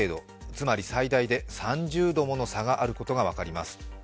つまり最大で３０度もの差があることがわかります。